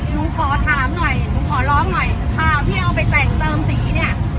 หนูขอถามหน่อยหนูขอร้องหน่อยข่าวที่เอาไปแต่งเติมสีเนี่ย